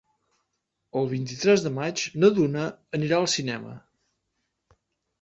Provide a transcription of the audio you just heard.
El vint-i-tres de maig na Duna anirà al cinema.